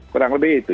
kurang lebih itu